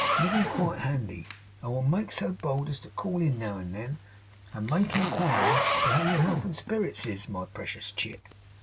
Livin' quite handy, I will make so bold as call in now and then, and make inquiry how your health and spirits is, my precious chick!